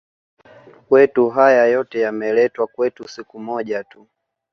wetu haya yote yameletwa kwetu siku moja tu